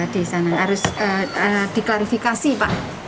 di sana harus diklarifikasi pak